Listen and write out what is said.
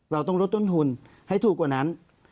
เราต้องลดต้นทุนให้ถูกกว่านั้น